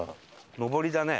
上りだね。